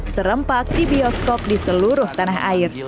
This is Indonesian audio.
serempak di bioskop di seluruh tanah air